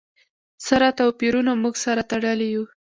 سره توپیرونو موږ سره تړلي یو.